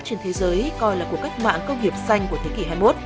trên thế giới coi là cuộc cách mạng công nghiệp xanh của thế kỷ hai mươi một